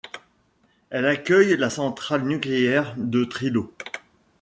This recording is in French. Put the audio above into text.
Elle accueille la centrale nucléaire de Trillo.